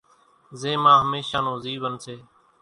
زين مان ھميشا نون زيون سي۔